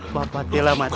bapak della mati